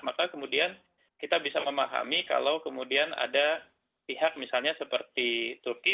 maka kemudian kita bisa memahami kalau kemudian ada pihak misalnya seperti turki